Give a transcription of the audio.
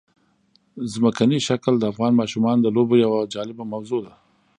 ځمکنی شکل د افغان ماشومانو د لوبو یوه جالبه موضوع ده.